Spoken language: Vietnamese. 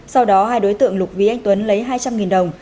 sau đó hai đối tượng lục ví anh tuấn lấy hai trăm linh đồng